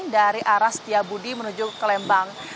dari arah setiabudi menuju ke lembang